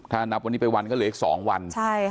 ถ้านับวันนี้ไปวันก็เหลืออีก๒วัน